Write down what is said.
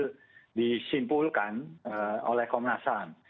kami mengimbulkan oleh komnas ham